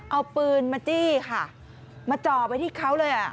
เอาปืนมาจี้ค่ะมาจ่อไปที่เขาเลยอ่ะ